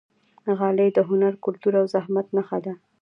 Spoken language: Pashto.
غالۍ د هنر، کلتور او زحمت نښه ده.